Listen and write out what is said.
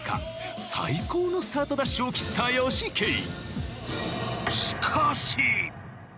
最高のスタートダッシュを切ったヨシケイ。